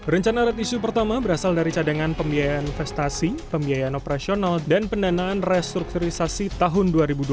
rencana right issue pertama berasal dari cadangan pembiayaan investasi pembiayaan operasional dan pendanaan restrukturisasi tahun dua ribu dua puluh dua dua ribu dua puluh tiga